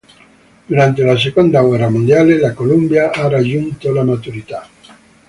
Durante la seconda guerra mondiale, la Columbia ha raggiunto la maturità.